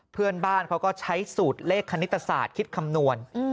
เพื่อนบ้านเขาก็ใช้สูตรเลขคณิตศาสตร์คิดคำนวณ